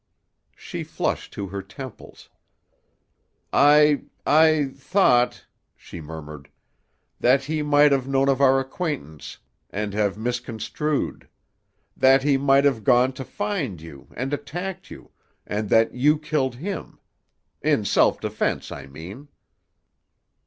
She flushed to her temples. "I—I—thought," she murmured, "that he might have known of our acquaintance, and have misconstrued: that he might have gone to find you, and attacked you, and that you killed him. In self defense, I mean."